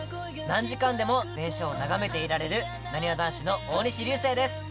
何時間でも電車を眺めていられるなにわ男子の大西流星です。